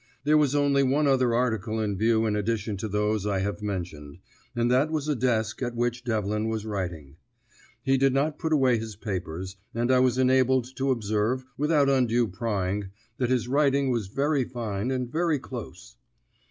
There was only one other article in view in addition to those I have mentioned, and that was a desk at which Devlin was writing. He did not put away his papers, and I was enabled to observe, without undue prying, that his writing was very fine and very close.